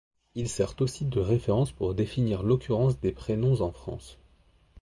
Il sert aussi de référence pour définir l'occurrence des prénoms en France.